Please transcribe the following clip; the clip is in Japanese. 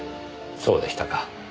そうでしたか。